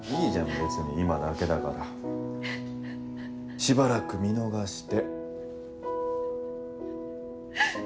別に今だけだから。しばらく見逃して。